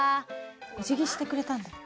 おじぎしてくれたんだ。